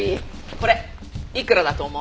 これいくらだと思う？